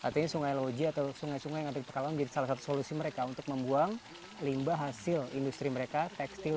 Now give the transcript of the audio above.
dan biaya loji atau sungai sungai yang ada di pekalongan menjadi salah satu solusi mereka untuk membuang limbah hasil industri mereka tekstil